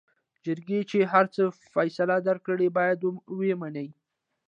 جرګې چې هر څه فيصله درکړې بايد وې منې.